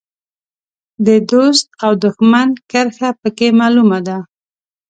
د دوست او دوښمن کرښه په کې معلومه ده.